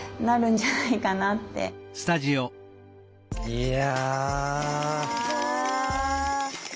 いや。